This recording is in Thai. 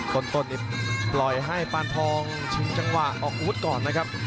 ต้นนี้ปล่อยให้ปานทองชิงจังหวะออกอาวุธก่อนนะครับ